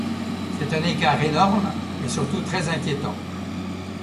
C’est un écart énorme et surtout très inquiétant.